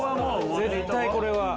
絶対これは。